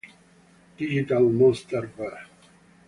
Digital Monster Ver.